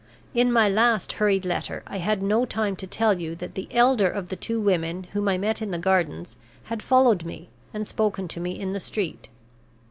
In my last hurried letter I had no time to tell you that the elder of the two women whom I met in the Gardens had followed me, and spoken to me in the street.